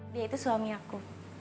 dia itu suami aku